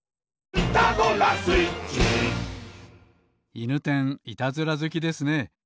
いぬてんいたずらずきですね。